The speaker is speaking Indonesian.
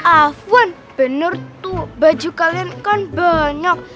afun bener tuh baju kalian kan banyak